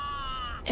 え？